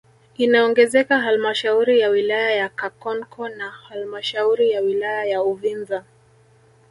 Inaongezeka halmashauri ya wilaya ya Kakonko na halmashauri ya wilaya ya Uvinza